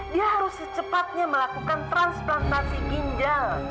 dia harus secepatnya melakukan transplantasi ginjal